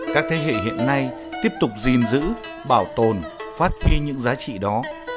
các thế hệ hiện nay tiếp tục gìn giữ bảo tồn phát huy những giá trị đó